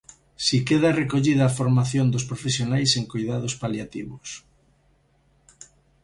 Si queda recollida a formación dos profesionais en coidados paliativos.